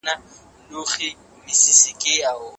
فارابي د انساني ټولني لپاره يو اخلاقي چوکاټ جوړ کړی و.